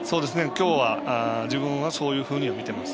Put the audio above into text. きょうは自分はそういうふうには見てます。